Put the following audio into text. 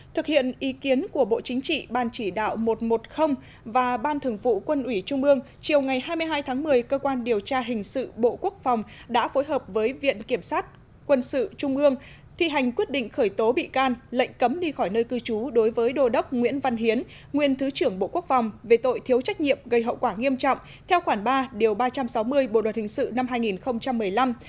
thực hiện ý kiến của bộ chính trị ban chỉ đạo một trăm một mươi và ban thường vụ quân ủy trung ương chiều ngày hai mươi hai tháng một mươi cơ quan điều tra hình sự bộ quốc phòng đã phối hợp với viện kiểm sát quân sự trung ương thi hành quyết định khởi tố bị can lệnh cấm đi khỏi nơi cư trú đối với đô đốc nguyễn văn hiến nguyên thứ trưởng bộ quốc phòng về tội thiếu trách nhiệm gây hậu quả nghiêm trọng theo khoản ba điều ba trăm sáu mươi bộ luật hình sự năm hai nghìn một mươi năm